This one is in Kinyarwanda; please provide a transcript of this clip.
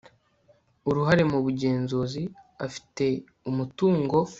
uruhare mu bugenzuzi afite umutungo